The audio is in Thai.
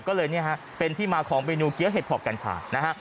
ก็เลยเนี่ยฮะเป็นที่มาของเมนูเกี้ยวเห็ดหอบกัญชานะฮะ